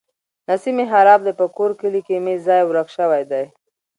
نصیب مې خراب دی. په کور کلي کې مې ځای ورک شوی دی.